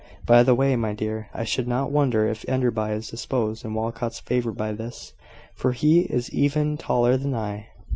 By the way, my dear, I should not wonder if Enderby is disposed in Walcot's favour by this, for he is even taller than I."